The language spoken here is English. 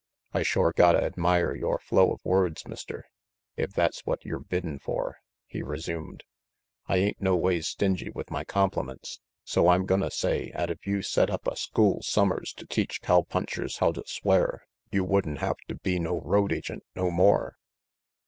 "I shore gotta admire yore flow of words, Mister, if that's what yer biddin' for," he resumed. "I ain't noways stingy with my compliments, so I'm gonna say 'at if you'd set up a school summers to teach cowpunchers how to swear, you would'n have to be no road agent no more."